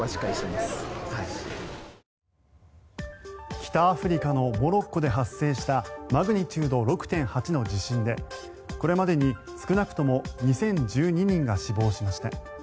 北アフリカのモロッコで発生したマグニチュード６．８の地震でこれまでに少なくとも２０１２人が死亡しました。